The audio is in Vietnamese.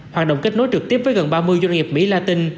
hoạt động kết nối trực tiếp với gần ba mươi doanh nghiệp mỹ la tinh